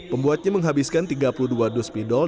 pembuatnya menghabiskan tiga puluh dua dus pidol